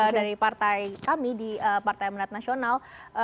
dari partai kami di partai manat nasional